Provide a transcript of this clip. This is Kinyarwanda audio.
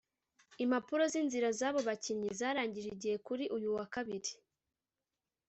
Impapuro z’inzira z’abo bakinnyi zarangije igihe kuri uyu wa Kabiri